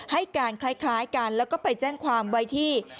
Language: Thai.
ให้การคล้ายกันแล้วก็ไปแจ้งความไว้ที่